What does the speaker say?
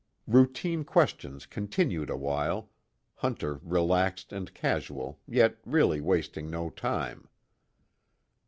Routine questions continued a while, Hunter relaxed and casual yet really wasting no time....